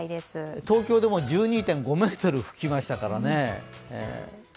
東京でも１２．５ｍ吹きましたからね。